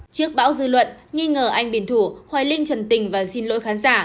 trước bão dư luận nghi ngờ anh biển thủ hoài linh trần tình và xin lỗi khán giả